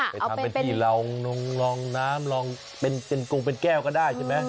ไปทำเป็นที่ลองน้ำลองเป็นกงเป็นแก้วก็ได้ใช่ไหม